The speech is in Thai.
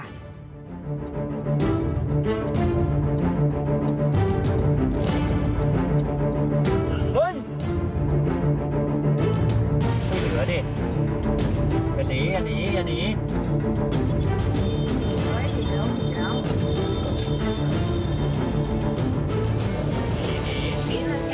ไม่เหลือดิกันหนีกันหนีกันหนี